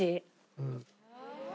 うん。